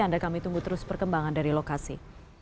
anda kami tunggu terus perkembangan dari lokasi